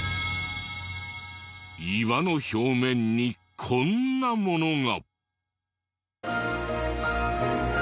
岩の表面にこんなものが。